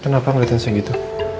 kenapa ngeliatin segitu